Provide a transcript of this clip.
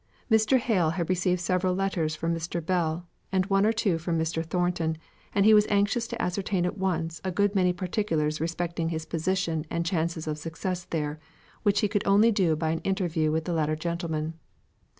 Mr. Hale had received several letters from Mr. Bell, and one or two from Mr. Thornton, and he was anxious to ascertain at once a good many particulars respecting his position and chances of success there, which he could only do by an interview with the latter gentleman.